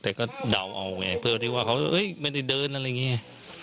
แต่ก็ดัวเอาไงเพื่อที่เค้าบอกแฮยมันได้เดินอะไรอย่างเงี้ย